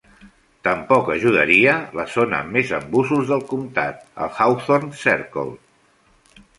Tampoc ajudaria la zona amb més embussos del comtat, el Hawthorne Circle.